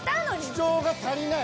主張が足りない。